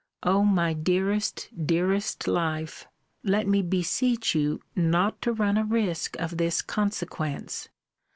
O my dearest, dearest life, let me beseech you not to run a risque of this consequence.